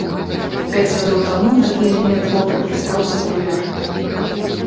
Пяць гадоў таму такі элемент вопраткі стаўся папулярным.